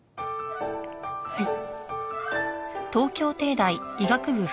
はい。